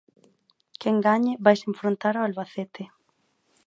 Quen gañe vaise enfrontar ao Albacete.